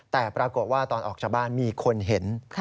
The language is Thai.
แต่ปรากฏว่าตอนออกจากบ้านมีคนเห็น